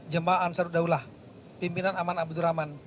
jemaah ansaruddaullah pimpinan aman abdurrahman